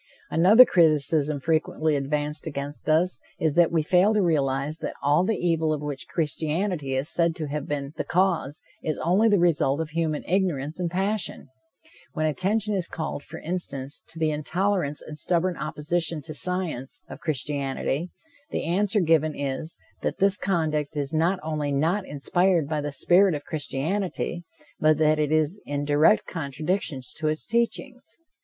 Another criticism frequently advanced against us is that we fail to realize that all the evil of which Christianity is said to have been the cause, is only the result of human ignorance and passion. When attention is called, for instance, to the intolerance and stubborn opposition to science, of Christianity, the answer given is, that this conduct is not only not inspired by the spirit of Christianity, but that it is in direct contradiction to its teachings.